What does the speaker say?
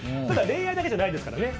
ただ恋愛だけじゃないですから。